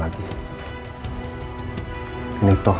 nantinya tidak akan muncul kesalahpahaman lagi